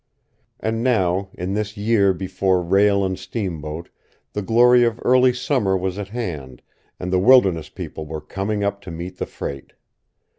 And now, in this year before rail and steamboat, the glory of early summer was at hand, and the wilderness people were coming up to meet the freight.